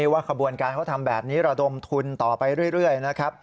ว่าขบวนการเขาทำแบบนี้ระดมทุนต่อไปเรื่อยนะครับ